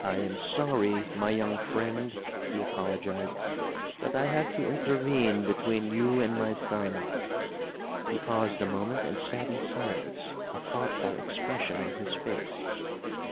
"I am sorry, my young friend," he apologized, "that I had to intervene between you and my son." He paused a moment and sat in silence, a thoughtful expression on his face.